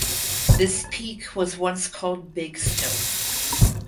This peak was once called "Big Snowy".